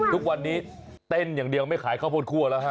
ทุกวันนี้เต้นอย่างเดียวไม่ขายข้าวโพดคั่วแล้วฮะ